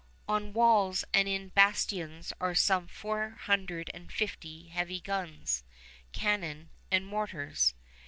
On walls and in bastions are some four hundred and fifty heavy guns, cannon, and mortars.